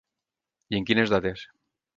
I en quines dates?